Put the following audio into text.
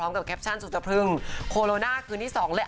กับแคปชั่นสุจรพลึงโคโรนาคืนที่สองเลย